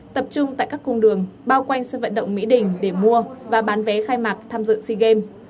tập trung tại các cung đường bao quanh sân vận động mỹ đình để mua và bán vé khai mạc tham dự sea games